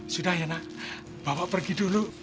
sudah ya nak bapak pergi dulu